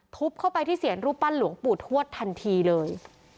ทุบเข้าไปที่เสียรรูปปั้นหลวงปู่ทวดทันทีเลย